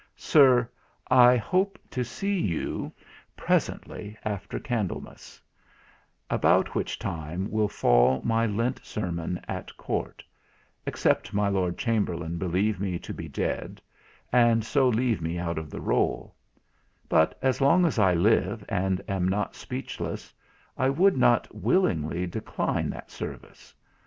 Sir, I hope to see you presently after Candlemas; about which time will fall my Lent Sermon at Court, except my Lord Chamberlain believe me to be dead, and so leave me out of the roll: but as long as I live, and am not speechless, I would not willingly, decline that service.